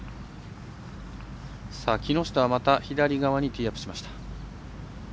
木下、また左側にティーアップしました。